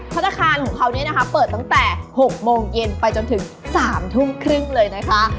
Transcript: ธนาคารของเขาเนี่ยนะคะเปิดตั้งแต่๖โมงเย็นไปจนถึง๓ทุ่มครึ่งเลยนะคะ